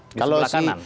di sebelah kanan